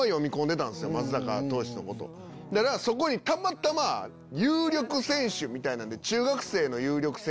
そこにたまたま有力選手みたいなんで。